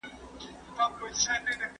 د رنګ